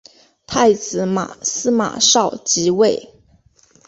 太子司马绍即位。